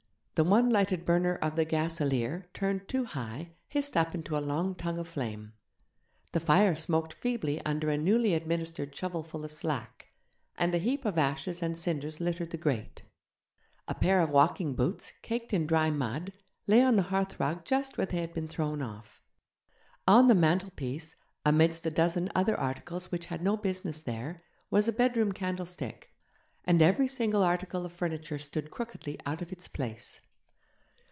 The one lighted burner of the gaselier, turned too high, hissed up into a long tongue of flame. The fire smoked feebly under a newly administered shovelful of 'slack', and a heap of ashes and cinders littered the grate. A pair of walking boots, caked in dry mud, lay on the hearth rug just where they had been thrown off. On the mantelpiece, amidst a dozen other articles which had no business there, was a bedroom candlestick; and every single article of furniture stood crookedly out of its place.